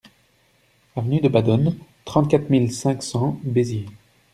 Avenue de Badones, trente-quatre mille cinq cents Béziers